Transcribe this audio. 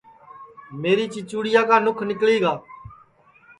میری چیچُوڑیا کا نُکھ نیکݪی گا